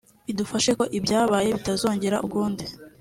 bidufashe ko ibyabaye bitazongera ukundi”